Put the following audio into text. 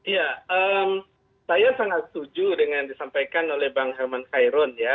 ya saya sangat setuju dengan disampaikan oleh bang helman khairun ya